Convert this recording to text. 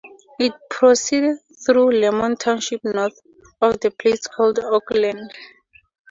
It proceeded through Lemon Township north of the place later called Oakland.